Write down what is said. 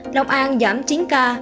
đồng an giảm chín ca